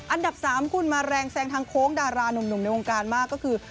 อันดับ๓คุณมาแรงแซงทางโค้งดารานุ่มในวงการมากก็คือ